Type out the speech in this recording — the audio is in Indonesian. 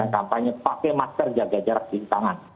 kampanye pakai masker jaga jarak cuci tangan